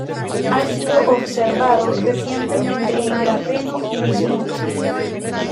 Ha sido observado recientemente en grafeno y bismuto.